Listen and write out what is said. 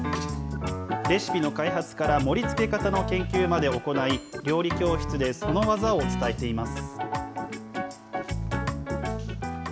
レシピの開発から盛りつけ方の研究まで行い、料理教室でその技を伝えています。